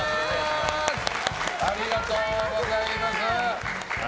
ありがとうございます。